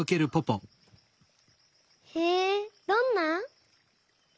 へえどんな？